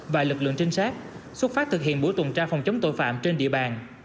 và lực lượng trinh sát xuất phát thực hiện buổi tuần tra phòng chống tội phạm trên địa bàn